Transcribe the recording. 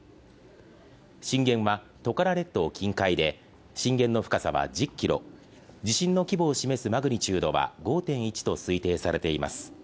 震源はトカラ列島近海で震源の深さは１０ｋｍ、地震の規模を示すマグニチュードは５．１と推定されています。